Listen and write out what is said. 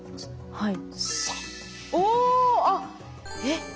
はい。